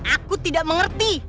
aku tidak mengerti